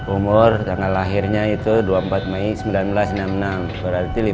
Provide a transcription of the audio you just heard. umur tanggal lahirnya itu dua puluh empat mei seribu sembilan ratus enam puluh enam berarti lima puluh